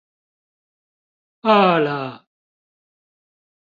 餓了